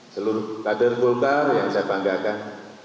seluruh kader golkar yang saya banggakan